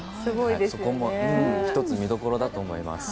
そこも１つ、見どころだと思います。